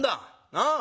なあ。